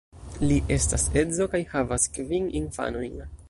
Li estas edzo kaj havas kvin infanojn.